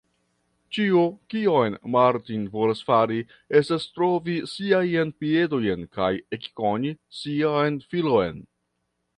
Ĉio, kion Martin volas fari, estas trovi siajn piedojn kaj ekkoni sian filon.